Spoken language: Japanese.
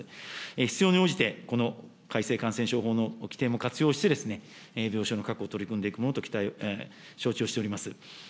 必要に応じて、この改正感染症法の規定も活用して、病床の確保、取り組んでいくものと承知をしております。